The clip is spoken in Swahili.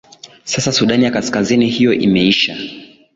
sasa sudan ya kaskazini hiyo imesha